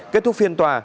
kết thúc phiên tòa